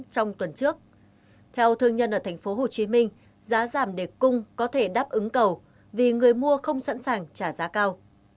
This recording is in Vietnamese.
trong tuần trước theo thương nhân ở tp hcm giá giảm để cung có thể đáp ứng cầu vì người mua không sẵn sàng trả giá cao